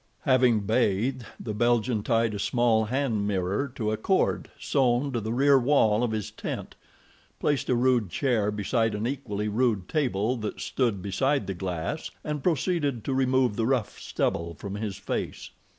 Having bathed, the Belgian tied a small hand mirror to a cord sewn to the rear wall of his tent, placed a rude chair beside an equally rude table that stood beside the glass, and proceeded to remove the rough stubble from his face.